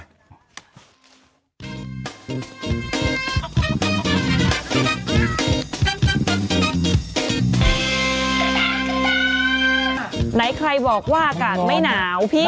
ไหนใครบอกว่าอากาศไม่หนาวพี่